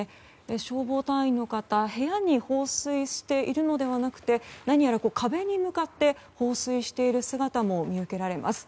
消防隊員の方部屋に放水しているのではなく何やら壁に向かって放水している姿も見受けられます。